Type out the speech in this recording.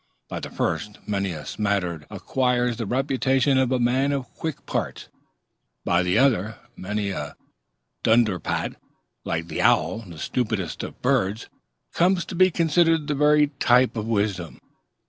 By the first, many a smatterer acquires the reputation of a man of quick parts; by the other, many a dunderpate, like the owl, the stupidest of birds, comes to be considered the very type of wisdom.